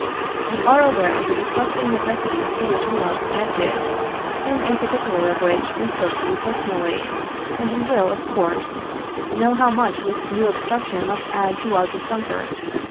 You are aware of the disgusting necessities to which we are subjected, in a particular of which we spoke to you personally, and you will, of course, know how much this new obstruction must add to our discomfort.